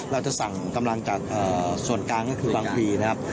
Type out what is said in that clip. เราจะสั่งกำลังจากส่วนกลางก็คือบางพีนะครับ